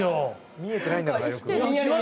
見えてないんだからよく。